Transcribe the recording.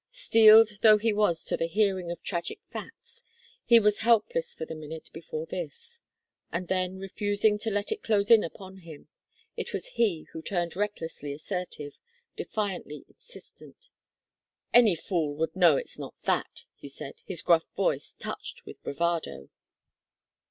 Steeled though he was to the hearing of tragic facts, he was helpless for the minute before this. And then, refusing to let it close in upon him, it was he who turned recklessly assertive, defiantly insistent. "Any fool would know it's not that," he said, his gruff voice touched with bravado.